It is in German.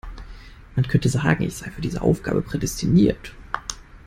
Man könnte sagen, ich sei für diese Aufgabe prädestiniert.